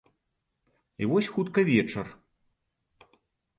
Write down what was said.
І вось хутка вечар.